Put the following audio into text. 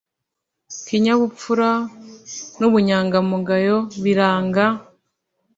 kinyabupfura n ubunyangamugayo biranga